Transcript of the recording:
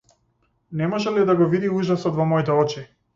Не може ли да го види ужасот во моите очи?